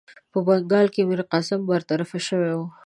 په بنګال کې میرقاسم برطرف شوی وو.